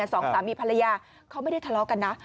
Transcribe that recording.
สองสามีภรรยาเขาไม่ได้ทะเลาะกันนะ